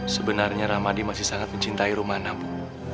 sebenarnya rahmadi masih sangat mencintai romana bu